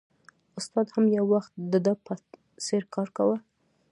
استاد هم یو وخت د ده په څېر کار کاوه